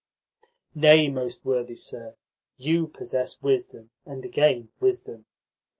"Nay, most worthy sir, you possess wisdom, and again wisdom.